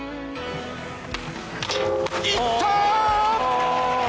いった！